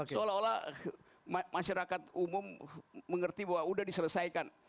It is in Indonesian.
seolah olah masyarakat umum mengerti bahwa sudah diselesaikan